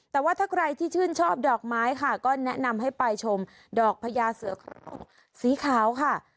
แต่ว่าถ้าใครที่ชื่นชอบดอกไม้ค่ะก็แนะนำให้ไปชมดอกพญาเสือโครงสีขาวค่ะ